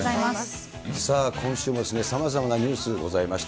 さあ、今週もさまざまなニュースございました。